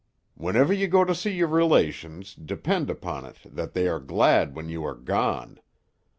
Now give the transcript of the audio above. Whenever you go to see your relations, depend upon it that they are glad when you are gone.